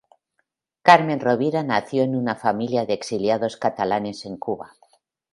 Carme Rovira nació en una familia de exiliados catalanes en Cuba.